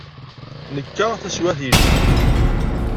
Nekka taswiɛt yelhan.